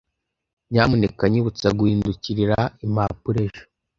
Nyamuneka nyibutsa guhindukirira impapuro ejo.